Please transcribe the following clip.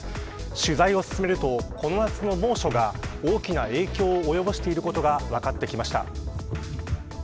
取材を進めるとこの夏の猛暑が大きな影響を及ぼしていることが分かってきました。